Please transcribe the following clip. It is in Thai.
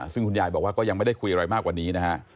ซึ่งคุณยายบอกว่าก็ยังไม่ได้คุยอะไรมากกว่านี้นะฮะ